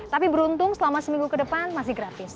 tapi beruntung selama seminggu ke depan masih gratis